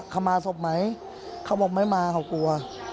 เขามาศพไหมเขาบอกไม่มาเขากลัว